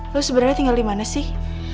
lo sebenernya tinggal dimana sih